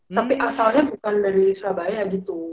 tapi asalnya bukan dari surabaya gitu